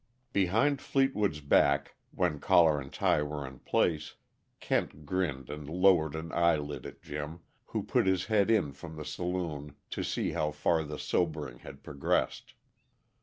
Behind Fleetwood's back, when collar and tie were in place, Kent grinned and lowered an eyelid at Jim, who put his head in from the saloon to see how far the sobering had progressed.